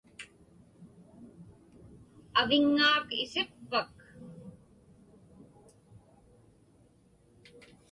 Aviŋŋaak isiqpak?